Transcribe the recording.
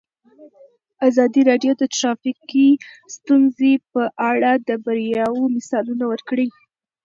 ازادي راډیو د ټرافیکي ستونزې په اړه د بریاوو مثالونه ورکړي.